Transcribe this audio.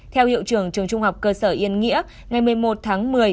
theo hiệu trường trường trung học cơ sở yên nghĩa ngày một mươi một tháng một mươi